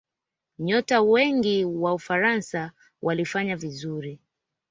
nyota wengi wa ufaransa walifanya vizuri